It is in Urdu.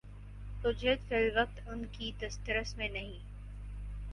اجرت فی الوقت ان کی دسترس میں نہیں